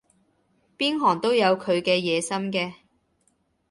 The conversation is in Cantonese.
邊行都有佢嘅野心嘅